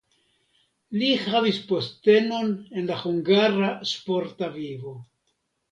Li havis postenojn en la hungara sporta vivo.